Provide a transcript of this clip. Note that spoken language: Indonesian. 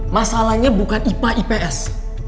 masalahnya bukan ipa ips